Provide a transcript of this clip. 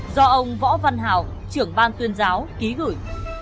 do ông võ văn hào trưởng ban tuyên giáo ký gửi